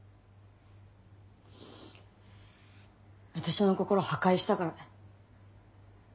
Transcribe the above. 私の心破壊したからね。